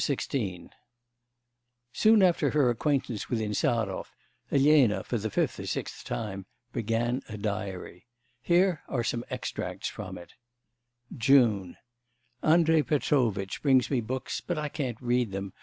XVI Soon after her acquaintance with Insarov, Elena (for the fifth or sixth time) began a diary. Here are some extracts from it: 'June.... Andrei Petrovitch brings me books, but I can't read them.